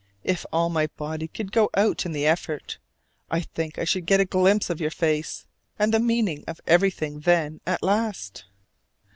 If all my body could go out in the effort, I think I should get a glimpse of your face, and the meaning of everything then at last.